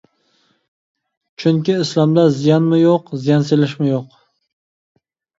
چۈنكى ئىسلامدا زىيانمۇ يوق، زىيان سېلىشمۇ يوق.